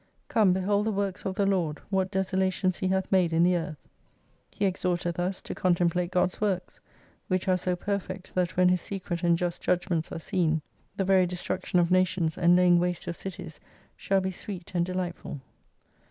Come behold the Works of the Lord, what desolations He hath made in the Earth. He exhorteth us to contemplate God's Works, which are so perfect, that when His secret and just judgments are seen, the 221 very destruction of Nations, and laying waste of Cities, shall be sweet and delightful.